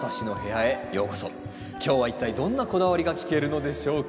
今日は一体どんなこだわりが聞けるのでしょうか？